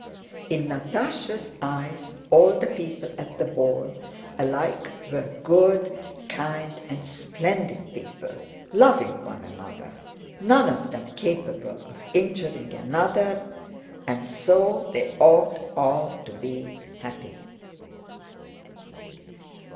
In Natásha's eyes all the people at the ball alike were good, kind, and splendid people, loving one another; none of them capable of injuring another—and so they ought all to be happy.